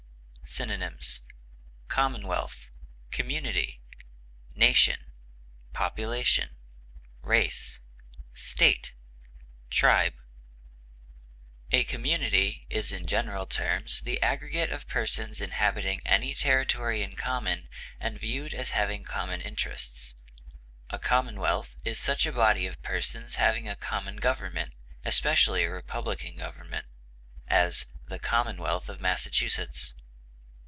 Synonyms: commonwealth, nation, race, state, tribe. community, population, A community is in general terms the aggregate of persons inhabiting any territory in common and viewed as having common interests; a commonwealth is such a body of persons having a common government, especially a republican government; as, the commonwealth of Massachusetts.